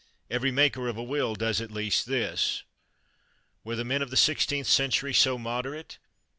Every maker of a will does at least this. Were the men of the sixteenth century so moderate?